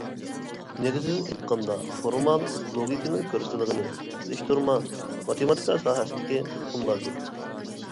نېگىزىدىن ئېيتقاندا، فورمال لوگىكىنىڭ كۆرسىتىدىغىنى سېلىشتۇرما ماتېماتىكا ساھەسىدىكى ئۇقۇملاردۇر.